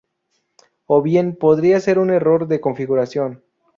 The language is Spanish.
O bien, podría ser un error de configuración.